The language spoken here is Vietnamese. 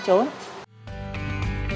và cho các cháu ăn hát tiếp